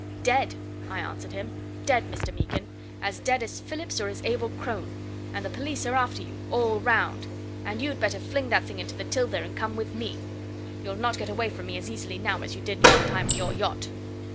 "Dead!" I answered him. "Dead, Mr. Meekin! As dead as Phillips, or as Abel Crone. And the police are after you all round and you'd better fling that thing into the Till there and come with me. You'll not get away from me as easily now as you did yon time in your yacht."